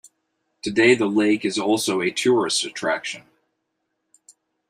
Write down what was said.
Today, the lake is also a tourist attraction.